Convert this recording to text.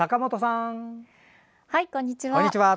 こんにちは。